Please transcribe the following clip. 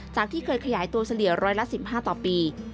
ที่เคยขยายตัวเฉลี่ยร้อยละ๑๕ต่อปี